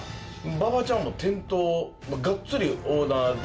馬場ちゃんはもう店頭ガッツリオーナーで。